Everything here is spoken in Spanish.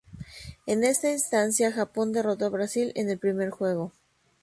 En esta instancia, Japón derrotó a Brasil en el primer juego.